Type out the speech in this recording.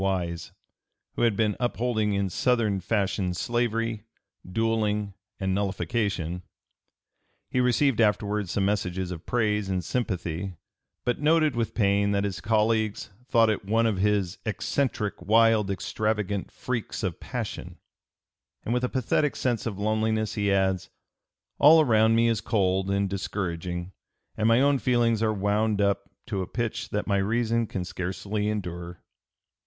Wise, who had been upholding in Southern fashion slavery, duelling, and nullification. He received afterward some messages of praise and sympathy, but noted with pain that his colleagues thought it one of his "eccentric, wild, extravagant freaks of passion;" and with a pathetic sense of loneliness he adds: "All around me is cold and discouraging and my own feelings are wound up to a pitch that my reason can scarcely (p. 298) endure."